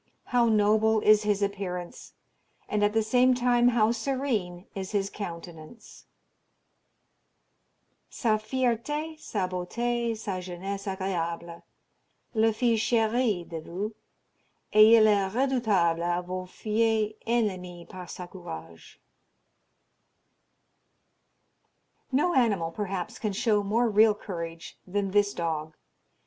How noble is his appearance, and at the same time how serene is his countenance! "Sa fierté, sa beauté, sa jeunesse agréable Le fit cherir de vous, et il est redoutable A vos fiers ennemis par sa courage." No animal, perhaps, can show more real courage than this dog.